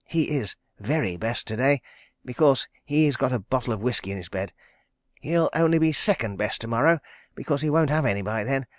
. He is Very Best to day, because he has got a bottle of whisky in his bed. He'll only be Second Best to morrow, because he won't have any by then.